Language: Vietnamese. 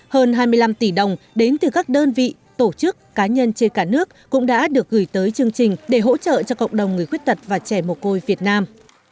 hơn hai mươi năm tỷ đồng đến từ các đơn vị tổ chức cá nhân trên cả nước cũng đã được gửi tới chương trình để hỗ trợ cho cộng đồng người khuyết tật và trẻ mồ côi việt nam